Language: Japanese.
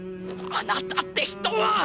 あなたって人は！